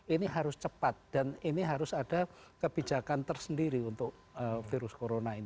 ini harus cepat dan ini harus ada kebijakan tersendiri untuk virus corona ini